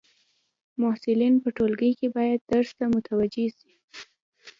محصلین په ټولګی کي باید درس ته متوجي سي.